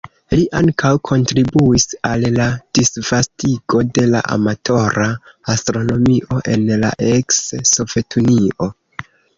Li ankaŭ kontribuis al la disvastigo de la amatora astronomio en la eks-Sovetunio.